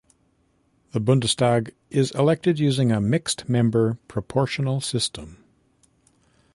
The Bundestag is elected using a mixed member proportional system.